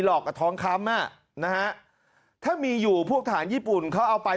หลอกกับท้องคำมานะฮะถ้ามีอยู่พวกฐานญี่ปุ่นเขาเอาไป